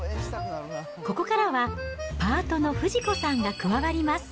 ここからは、パートの富士子さんが加わります。